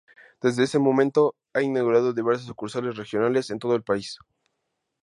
Desde ese momento, ha inaugurado diversas sucursales regionales en todo el país.